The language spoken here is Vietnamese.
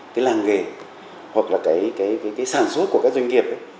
cái làng nghề hoặc là cái sản xuất của các doanh nghiệp ấy